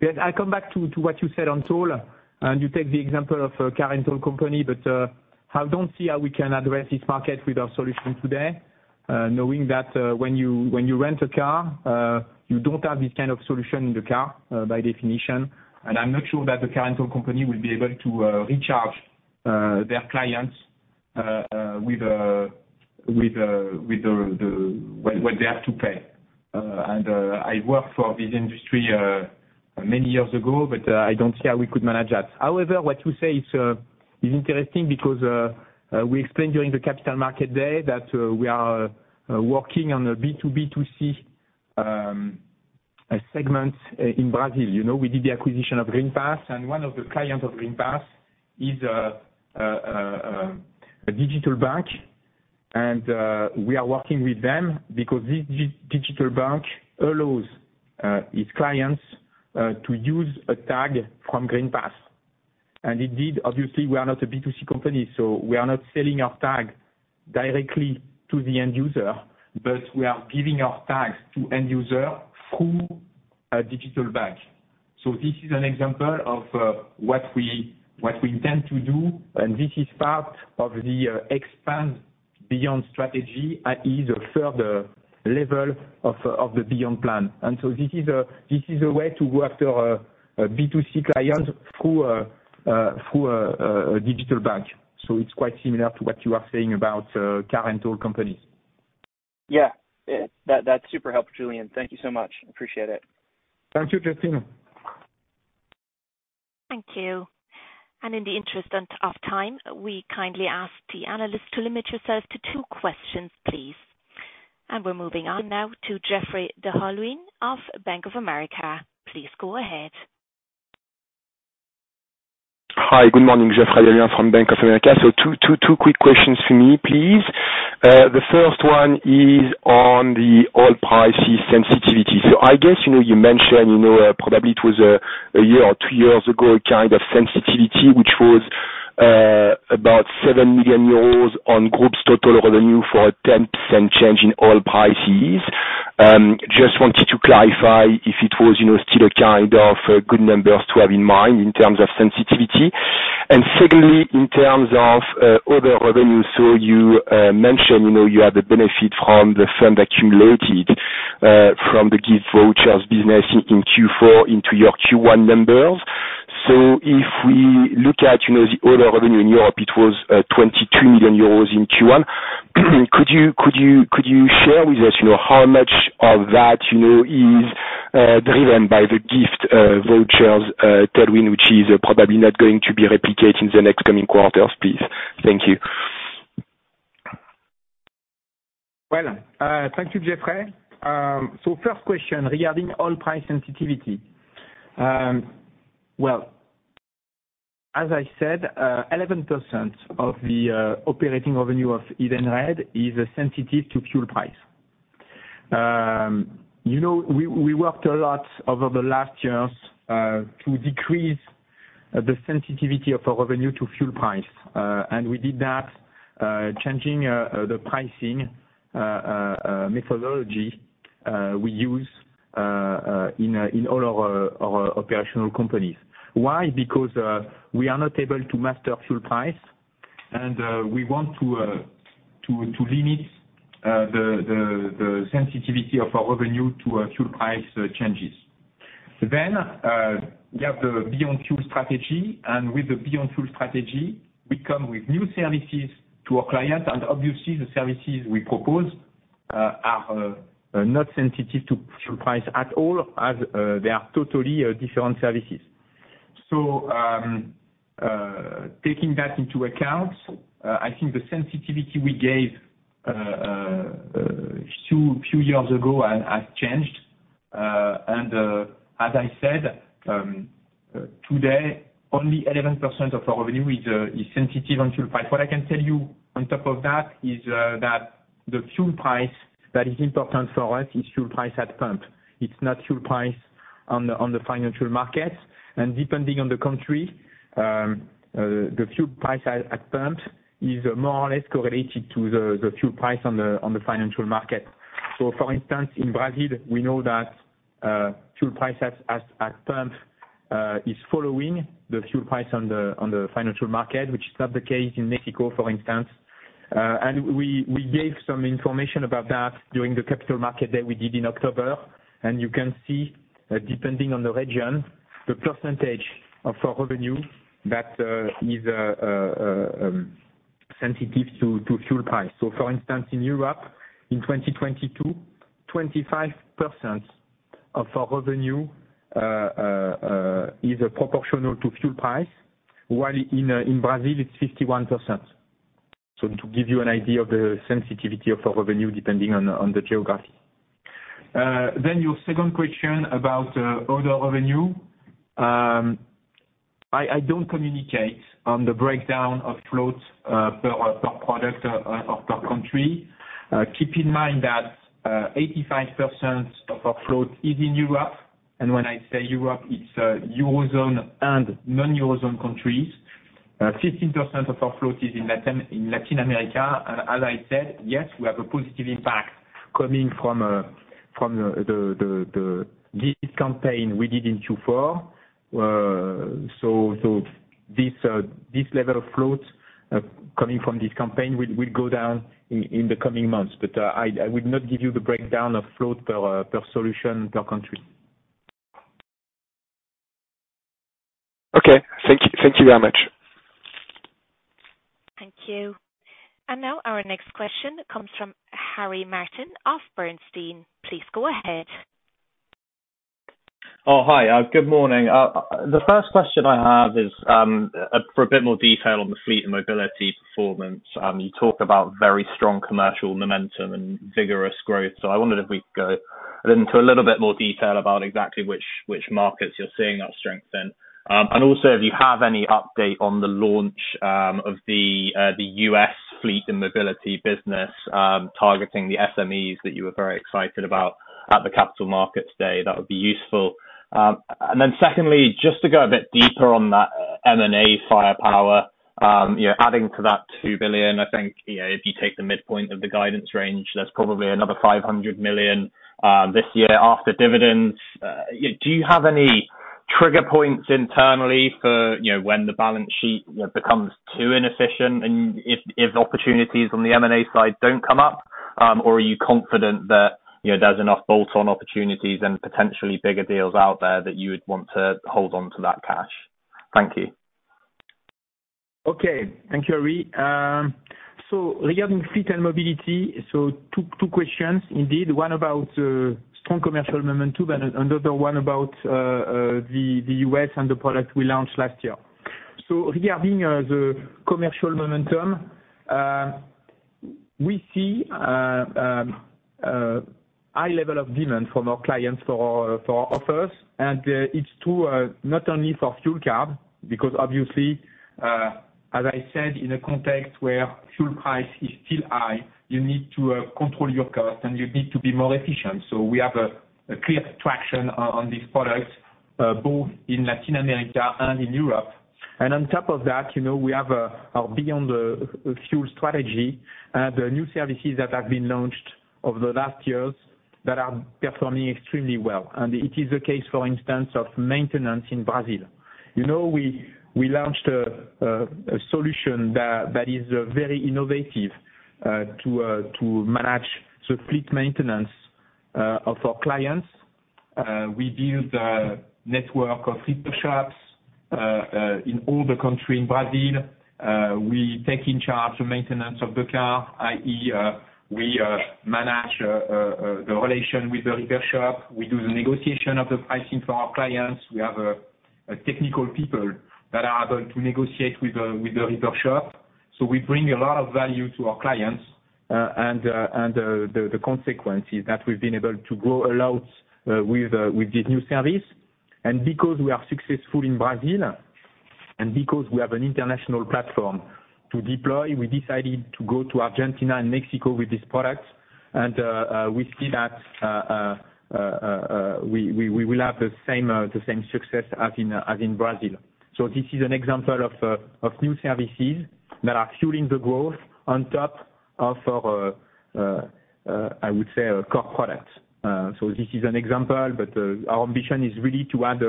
Yeah, I come back to what you said on toll, and you take the example of a car rental company. I don't see how we can address this market with our solution today, knowing that when you rent a car, you don't have this kind of solution in the car by definition. I'm not sure that the car rental company will be able to recharge their clients with the what they have to pay. I worked for this industry many years ago, but I don't see how we could manage that. However, what you say is interesting because we explained during the capital market day that we are working on a B2C segment in Brazil. You know, we did the acquisition of Greenpass. One of the clients of Greenpass is a digital bank. We are working with them because this digital bank allows its clients to use a tag from Greenpass. Indeed, obviously, we are not a B2C company, so we are not selling our tag directly to the end user, but we are giving our tags to end user through a digital bank. This is an example of what we intend to do, and this is part of the expand Beyond strategy, that is a further level of the Beyond plan. This is a way to go after B2C clients through a digital bank. It's quite similar to what you are saying about car rental companies. Yeah. That's super helpful, Julien. Thank you so much. Appreciate it. Thank you, Justin. Thank you. In the interest of time, we kindly ask the analyst to limit yourself to two questions, please. We're moving on now to Geoffrey d'Halluin of Bank of America. Please go ahead. Hi, good morning. Geoffrey d'Halluin from Bank of America. Two quick questions for me, please. The first one is on the oil price sensitivity. I guess, you know, you mentioned, you know, probably it was 1 year or 2 years ago, a kind of sensitivity which was about 7 million euros on group's total revenue for a 10% change in oil prices. Just wanted to clarify if it was, you know, still a kind of good numbers to have in mind in terms of sensitivity. Secondly, in terms of other revenue, you mentioned, you know, you had the benefit from the fund accumulated from the gift vouchers business in Q4 into your Q1 numbers. If we look at, you know, the other revenue in Europe, it was 22 million euros in Q1. Could you share with us, you know, how much of that, you know, is driven by the gift vouchers term, which is probably not going to be replicated in the next coming quarters, please? Thank you. Well, thank you, Geoffrey. First question regarding oil price sensitivity. Well, as I said, 11% of the operating revenue of Edenred is sensitive to fuel price. You know, we worked a lot over the last years to decrease the sensitivity of our revenue to fuel price. We did that, changing the pricing methodology we use in all of our operational companies. Why? Because we are not able to master fuel price and we want to limit the sensitivity of our revenue to fuel price changes. We have the Beyond Fuel Strategy. With the Beyond Fuel Strategy, we come with new services to our clients. Obviously, the services we propose are not sensitive to fuel price at all, as they are totally different services. Taking that into account, I think the sensitivity we gave two, few years ago has changed. As I said, today, only 11% of our revenue is sensitive on fuel price. What I can tell you on top of that is that the fuel price that is important for us is fuel price at pump. It's not fuel price on the financial market. Depending on the country, the fuel price at pump is more or less correlated to the fuel price on the financial market. For instance, in Brazil, we know that fuel price at, as pumped, is following the fuel price on the financial market, which is not the case in Mexico, for instance. We gave some information about that during the Capital Market that we did in October. You can see, depending on the region, the percentage of our revenue that is sensitive to fuel price. For instance, in Europe, in 2022, 25% of our revenue is proportional to fuel price, while in Brazil, it's 51%. To give you an idea of the sensitivity of our revenue, depending on the geography. Your second question about other revenue. I don't communicate on the breakdown of floats per product or per country. Keep in mind that 85% of our float is in Europe. When I say Europe, it's Eurozone and non-Eurozone countries. 15% of our float is in Latin America. As I said, yes, we have a positive impact coming from the gift campaign we did in Q4. This level of floats coming from this campaign will go down in the coming months. I would not give you the breakdown of float per solution, per country. Okay. Thank you very much. Thank you. Now our next question comes from Harry Martin of Bernstein. Please go ahead. Oh, hi. Good morning. The first question I have is for a bit more detail on the fleet and mobility performance. You talk about very strong commercial momentum and vigorous growth. I wondered if we could go into a little bit more detail about exactly which markets you're seeing that strength in. Also if you have any update on the launch of the U.S. fleet and mobility business, targeting the SMEs that you were very excited about at the capital markets day, that would be useful. Secondly, just to go a bit deeper on that M&A firepower, you know, adding to that 2 billion, I think, you know, if you take the midpoint of the guidance range, that's probably another 500 million this year after dividends. Do you have any trigger points internally for, you know, when the balance sheet becomes too inefficient and if opportunities on the M&A side don't come up? Or are you confident that, you know, there's enough bolt-on opportunities and potentially bigger deals out there that you would want to hold on to that cash? Thank you. Okay. Thank you, Harry. Regarding fleet and mobility, two questions indeed. One about strong commercial momentum and another one about the U.S. and the product we launched last year. Regarding the commercial momentum, we see high level of demand from our clients for offers. It's true, not only for fuel card, because obviously, as I said, in a context where fuel price is still high, you need to control your cost and you need to be more efficient. We have a clear traction on this product, both in Latin America and in Europe. On top of that, you know, we have our Beyond `Fuel Strategy. The new services that have been launched over the last yearsThat are performing extremely well. It is the case, for instance, of maintenance in Brazil. You know, we launched a solution that is very innovative to manage the fleet maintenance of our clients. We build a network of repair shops in all the country in Brazil. We take in charge the maintenance of the car, i.e., we manage the relation with the repair shop. We do the negotiation of the pricing for our clients. We have technical people that are able to negotiate with the repair shop. We bring a lot of value to our clients. The consequence is that we've been able to grow a lot with this new service. Because we are successful in Brazil, and because we have an international platform to deploy, we decided to go to Argentina and Mexico with this product. We see that we will have the same success as in Brazil. This is an example of new services that are fueling the growth on top of our, I would say our core products. This is an example, but our ambition is really to add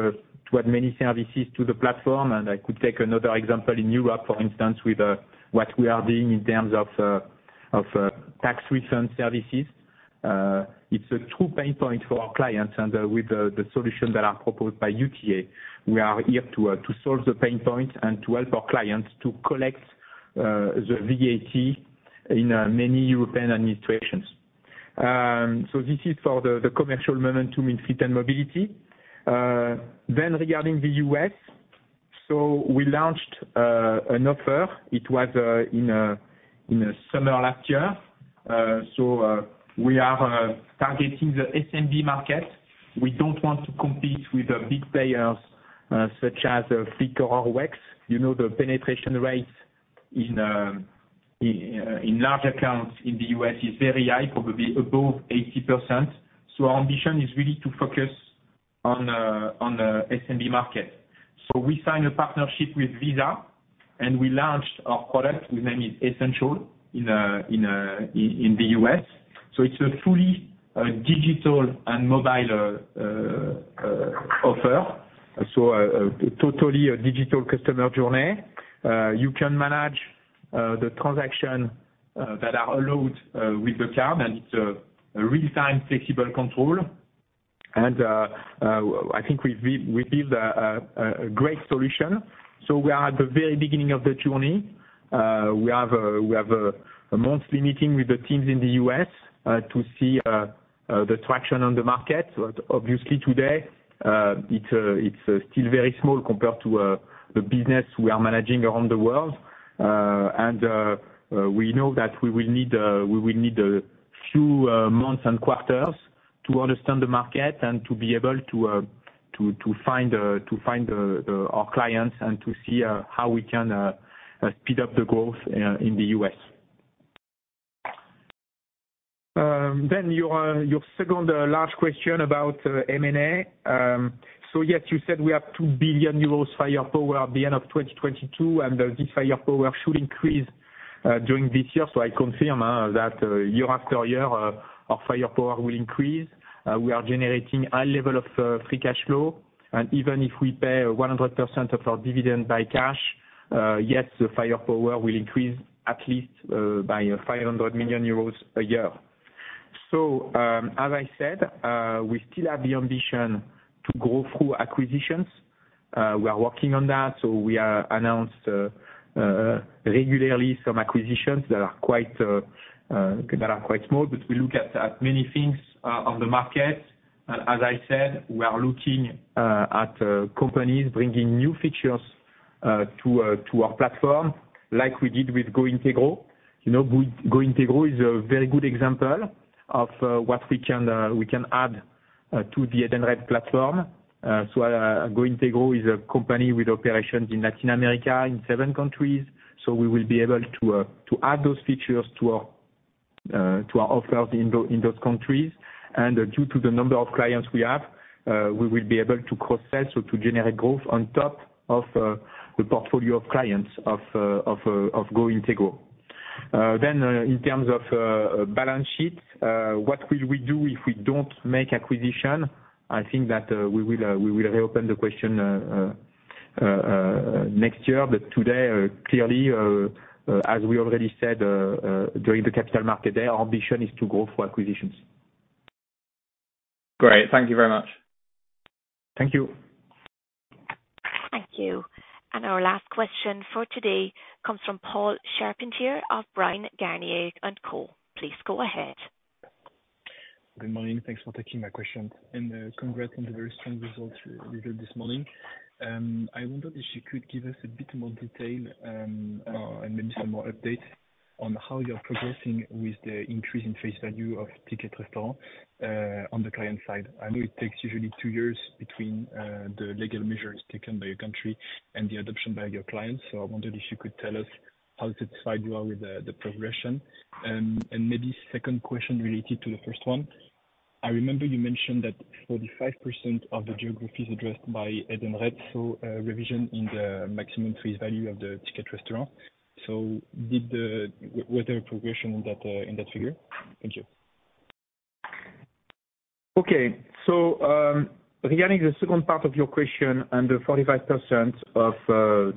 many services to the platform. I could take another example in Europe, for instance, with what we are doing in terms of tax return services. It's a true pain point for our clients. With the solutions that are proposed by UTA, we are here to solve the pain points and to help our clients to collect the VAT in many European administrations. This is for the commercial momentum in Fleet and Mobility. Regarding the U.S., we launched an offer. It was in the summer last year. We are targeting the SMB market. We don't want to compete with the big players, such as FleetCor or WEX. You know, the penetration rates in large accounts in the U.S. is very high, probably above 80%. Our ambition is really to focus on SMB market. We signed a partnership with Visa, and we launched our product. We named it Essential in the U.S. It's a fully digital and mobile offer. Totally a digital customer journey. You can manage the transaction that are allowed with the card, and it's a real-time flexible control. I think we built a great solution. We are at the very beginning of the journey. We have a monthly meeting with the teams in the U.S. to see the traction on the market. Obviously, today, it's still very small compared to the business we are managing around the world. We know that we will need a few months and quarters to understand the market and to be able to find our clients and to see how we can speed up the growth in the U.S. Your second last question about M&A. Yes, you said we have 2 billion euros firepower at the end of 2022, and this firepower should increase during this year. I confirm that year after year our firepower will increase. We are generating high level of free cash flow. Even if we pay 100% of our dividend by cash, yes, the firepower will increase at least by 500 million euros a year. As I said, we still have the ambition to grow through acquisitions. We are working on that, so we are announced regularly some acquisitions that are quite small. We look at many things on the market. As I said, we are looking at companies bringing new features to our platform, like we did with GOintegro. You know, GOintegro is a very good example of what we can add to the Edenred platform. GOintegro is a company with operations in Latin America in seven countries. We will be able to add those features to our offer in those countries. Due to the number of clients we have, we will be able to cross-sell, so to generate growth on top of the portfolio of clients of GOintegro. In terms of balance sheet, what will we do if we don't make acquisition? I think that we will reopen the question next year. Today, clearly, as we already said, during the capital market day, our ambition is to grow through acquisitions. Great. Thank you very much. Thank you. Thank you. Our last question for today comes from Paul Charpentier of Bryan, Garnier & Co. Please go ahead. Good morning. Thanks for taking my question. Congrats on the very strong results you delivered this morning. I wonder if you could give us a bit more detail and maybe some more update on how you're progressing with the increase in face value of Ticket Restaurant on the client side. I know it takes usually two years between the legal measures taken by a country and the adoption by your clients. I wondered if you could tell us how satisfied you are with the progression. Maybe second question related to the first one. I remember you mentioned that 45% of the geographies addressed by Edenred saw a revision in the maximum face value of the Ticket Restaurant. Was there a progression in that in that figure? Thank you. Okay. Regarding the second part of your question, under 45% of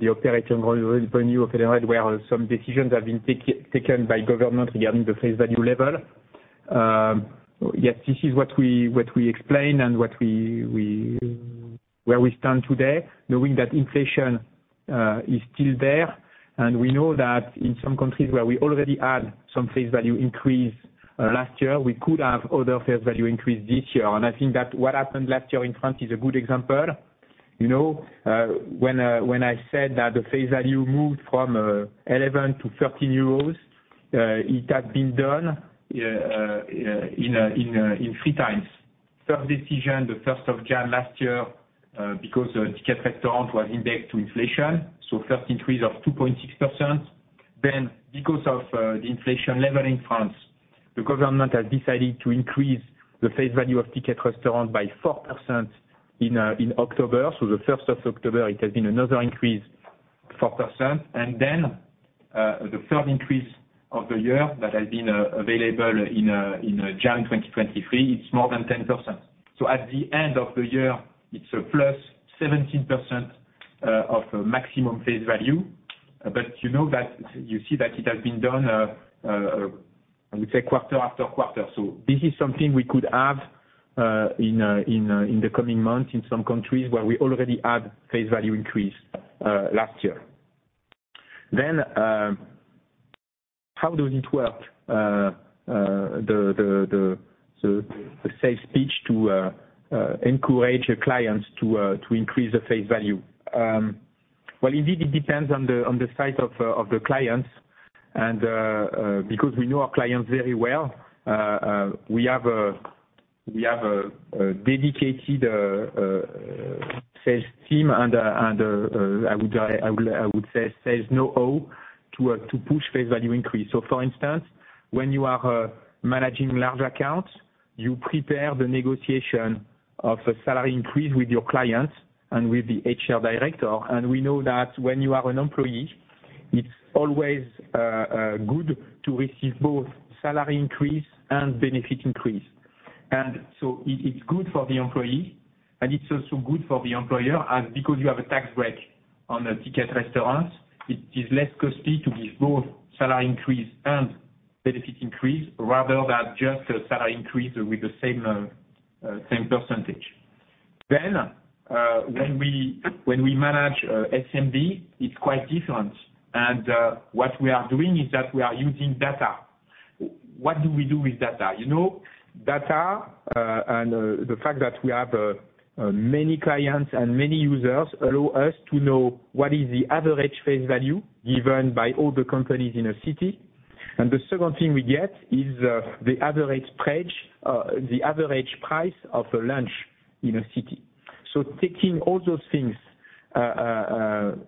the operating revenue of Edenred, where some decisions have been taken by government regarding the face value level. Yes, this is what we explained and what we stand today, knowing that inflation is still there. We know that in some countries where we already had some face value increase last year, we could have other face value increase this year. I think that what happened last year in France is a good example. You know, when I said that the face value moved from 11 to 13 euros, it has been done in 3 times. First decision, the 1st of January last year, because the Ticket Restaurant was indexed to inflation, first increase of 2.6%. Because of the inflation level in France, the government has decided to increase the face value of Ticket Restaurant by 4% in October. The 1st of October it has been another increase, 4%. The third increase of the year that has been available in January 2023, it's more than 10%. At the end of the year, it's a +17% of maximum face value. You know that, you see that it has been done, I would say quarter after quarter. This is something we could have in the coming months in some countries where we already had face value increase last year. How does it work? The sales pitch to encourage clients to increase the face value. Well, indeed it depends on the size of the clients and because we know our clients very well, we have a dedicated sales team and I would say sales know how to push face value increase. For instance, when you are managing large accounts, you prepare the negotiation of a salary increase with your clients and with the HR director. We know that when you are an employee, it's always good to receive both salary increase and benefit increase. It's good for the employee, and it's also good for the employer, as because you have a tax break on the Ticket Restaurants, it is less costly to give both salary increase and benefit increase rather than just a salary increase with the same percentage. When we manage SMB, it's quite different. What we are doing is that we are using data. What do we do with data? You know, data, and the fact that we have many clients and many users allow us to know what is the average face value given by all the companies in a city. The second thing we get is the average price of a lunch in a city. Taking all those things and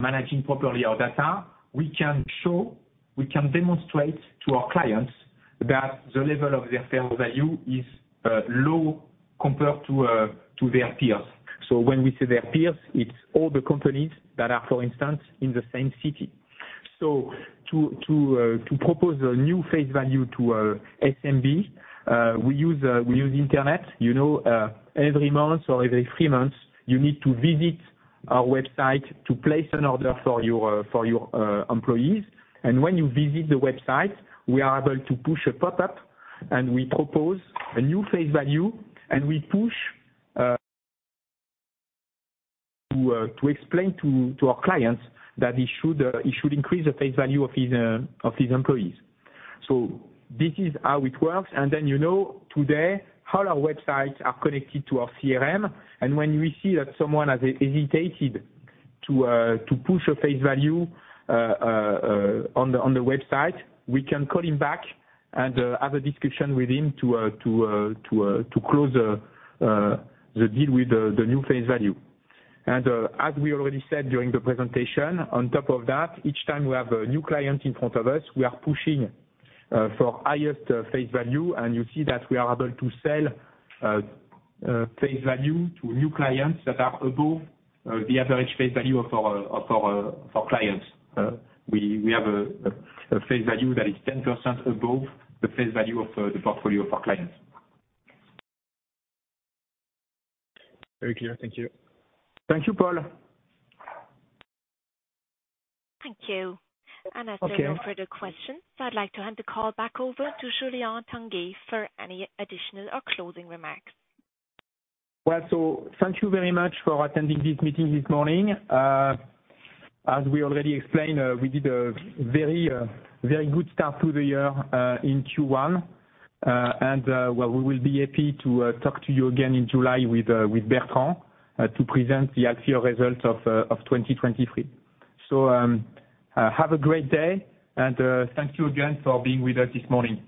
managing properly our data, we can show, we can demonstrate to our clients that the level of their face value is low compared to their peers. When we say their peers, it's all the companies that are, for instance, in the same city. To propose a new face value to a SMB, we use, we use internet, you know, every month or every three months, you need to visit our website to place an order for your employees. When you visit the website, we are able to push a pop-up and we propose a new face value, and we push to explain to our clients that he should increase the face value of his employees. This is how it works. You know, today, all our websites are connected to our CRM. When we see that someone has hesitated to push a face value on the website, we can call him back and have a discussion with him to close the deal with the new face value. As we already said during the presentation, on top of that, each time we have a new client in front of us, we are pushing for highest face value. You see that we are able to sell face value to new clients that are above the average face value of our clients. We have a face value that is 10% above the face value of the portfolio of our clients. Very clear. Thank you. Thank you, Paul. Thank you. Okay. As there are no further questions, I'd like to hand the call back over to Julien Tanguy for any additional or closing remarks. Thank you very much for attending this meeting this morning. As we already explained, we did a very, very good start to the year in Q1. We will be happy to talk to you again in July with Bertrand to present the actual results of 2023. Have a great day, and thank you again for being with us this morning.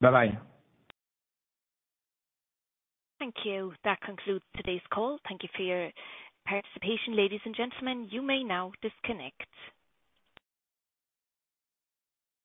Bye-bye. Thank you. That concludes today's call. Thank you for your participation, ladies and gentlemen. You may now disconnect.